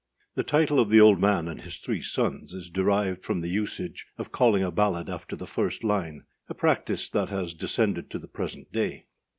The title of The Old Man and his Three Sons is derived from the usage of calling a ballad after the first lineâa practice that has descended to the present day.